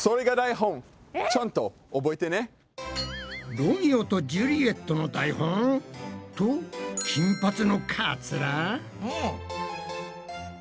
ロミオとジュリエットの台本？と金髪のかつら？